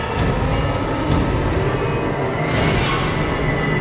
ก็ถ่ายพวกมึง